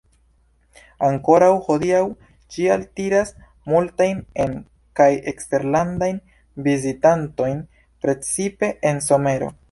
Ankoraŭ hodiaŭ ĝi altiras multajn en- kaj eksterlandajn vizitantojn, precipe en somero.